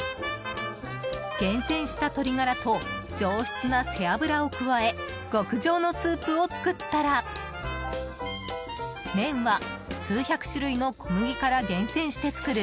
厳選した鶏ガラと上質な背脂を加え極上のスープを作ったら麺は数百種類の小麦から厳選して作る